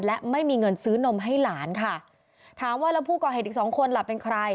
และไม่มีเงินซื้อนมให้หลานค่ะถามว่าแล้วผู้ก่อเหตุอีกสองคนล่ะเป็นใคร